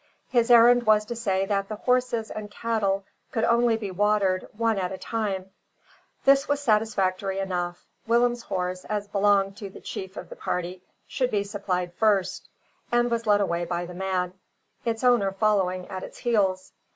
His errand was to say that the horses and cattle could only be watered one at a time. This was satisfactory enough. Willem's horse, as belonging to the chief of the party, should be supplied first, and was led away by the man, its owner following at its heels.